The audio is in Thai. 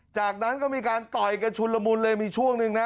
จากนั้นก็มีการต่อยกันชุนละมุนเลยมีช่วงหนึ่งนะ